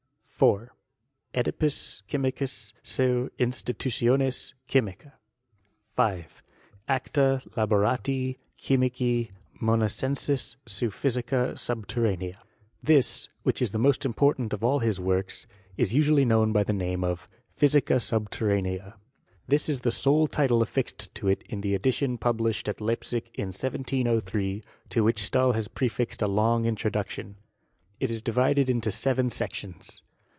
4. CEdipus Chymicus seu Institutiones ChymicEe. 5. Acta laboratorii Chymici Monacensis sen Phywca Subterranea. — ^This, which is the most important of all his works, is usually known by the name of " Physica Subterranea." This is the sole title afBsed to it in the edition published at Leipsic, in 1703, to which Stahl has prefixed a long introduction. It is divided into seven sections.